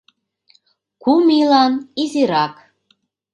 Кум ийлан изирак.